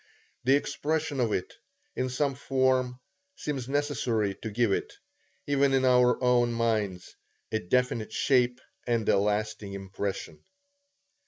The expression of it, in some form, seems necessary to give it, even in our own minds, a definite shape and a lasting impression.